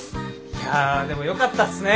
いやでもよかったっすね